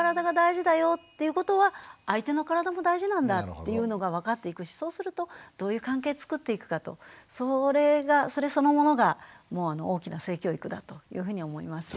っていうのが分かっていくしそうするとどういう関係つくっていくかとそれがそれそのものが大きな性教育だというふうに思います。